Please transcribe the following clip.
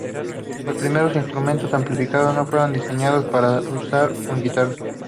Los primeros instrumentos amplificadores no fueron diseñados para usar con guitarras.